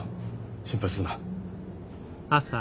心配するな。